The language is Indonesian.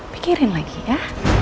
pikirin lagi ya